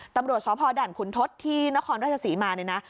ตำรวจสพด่านขุนทศที่นครราชศรีมาเนี่ยนะ